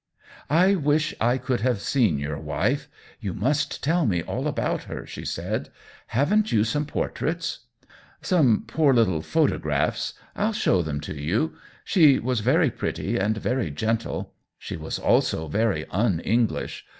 " I wish I could have seen your wife — you must tell me all about her," she said. " Haven't you some portraits ?"" Some poor little photographs. I'll show them to you. She was very pret ty and very gentle ; she was also very un English.